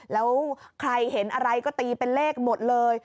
แล้วใครเห็นอะไรก็ตีเป็นเลขหมดเลย